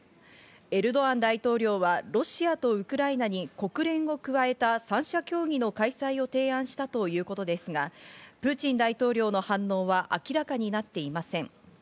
エルドアン大統領はロシアとウクライナに国連を加えた３者協議の開催を提案したということですが、プーチン大統領の反応は明らかになっていません。